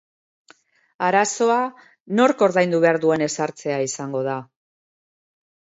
Arazoa nork ordaindu behar duen ezartzea izango da.